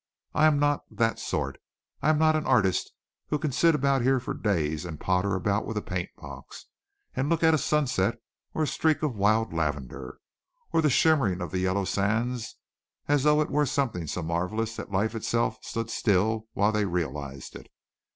"I am not that sort. I am not an artist who can sit about here for days and potter about with a paintbox, and look at a sunset or a streak of wild lavender, or the shimmering of the yellow sands, as though it were something so marvelous that life itself stood still while they realized it.